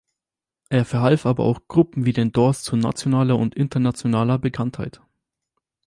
Er verhalf aber auch Gruppen wie den Doors zu nationaler und internationaler Bekanntheit.